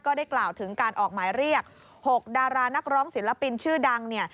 ได้กล่าวถึงการออกหมายเรียก๖ดารานักร้องศิลปินชื่อดังเนี่ย